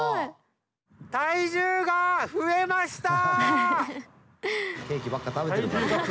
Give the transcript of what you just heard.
体重が増えました。